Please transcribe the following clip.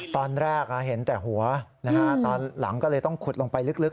ตอนแรกเห็นแต่หัวตอนหลังก็เลยต้องขุดลงไปลึก